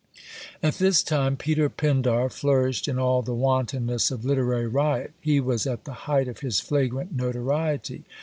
At this time Peter Pindar flourished in all the wantonness of literary riot. He was at the height of his flagrant notoriety.